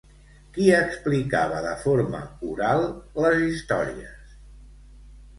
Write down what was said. Qui explicava de forma oral les històries?